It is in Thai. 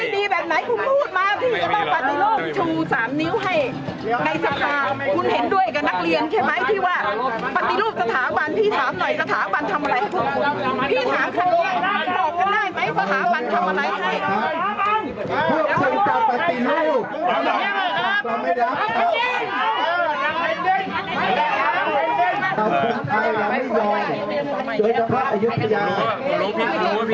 ที่จะต้องปฏิรูปชูสามนิ้วให้ในสภาพคุณเห็นด้วยกับนักเรียนใช่ไหม